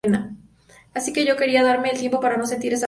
Así que yo quería darme el tiempo para no sentir esa presión".